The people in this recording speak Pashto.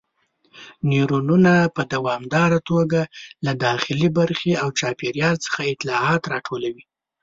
نیورونونه په دوامداره توګه له داخلي برخې او چاپیریال څخه اطلاعات راټولوي.